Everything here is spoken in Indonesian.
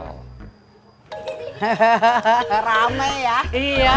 hahaha rame ya iya anak anak coba dari dulu ada begini ya